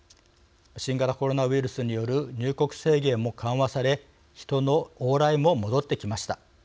新型コロナウイルスによる入国制限も緩和され人の往来も戻ってきました。